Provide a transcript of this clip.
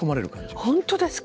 本当ですか？